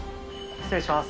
失礼します。